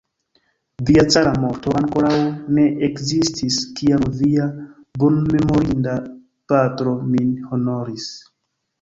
Via cara moŝto ankoraŭ ne ekzistis, kiam via bonmemorinda patro min honoris.